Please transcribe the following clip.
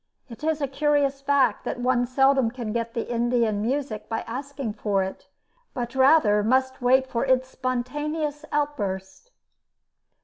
It is a curious fact that one seldom can get the Indian music by asking for it, but rather must wait for its spontaneous outburst.